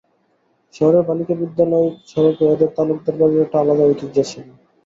শহরের বালিকা বিদ্যালয় সড়কে ওদের তালুকদার বাড়ির একটা আলাদা ঐতিহ্য ছিল।